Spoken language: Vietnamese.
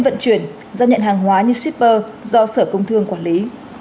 vận chuyển giao nhận hàng hóa như shipper do sở công thương quản lý